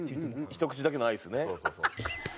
ひと口だけのアイス。